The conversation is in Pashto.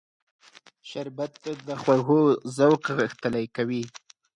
شربت د خوږو ذوق غښتلی کوي